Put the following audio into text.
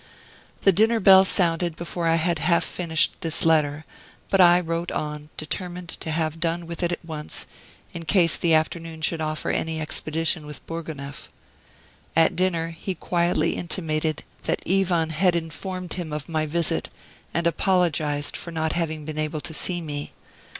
The dinner bell sounded before I had half finished this letter; but I wrote on, determined to have done with it at once, in case the afternoon should offer any expedition with Bourgonef. At dinner he quietly intimated that Ivan had informed him of my visit, and apologized for not having been able to see me.